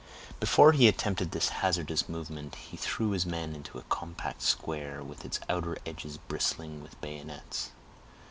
Before he attempted this hazardous movement, he threw his men into a compact square, with its outer edges bristling with bayonets.